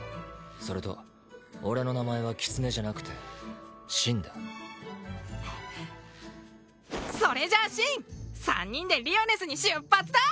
それと俺の名前はキツネじゃなくてシンだそれじゃあシン３人でリオネスに出発だ！